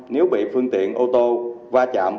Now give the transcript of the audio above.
nếu bị phương tiện ô tô va chạm